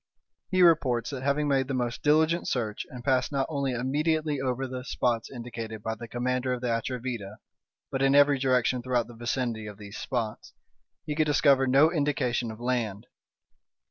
He reports that, having made the most diligent search and passed not only immediately over the spots indicated by the commander of the Atrevida, but in every direction throughout the vicinity of these spots, he could discover no indication of land.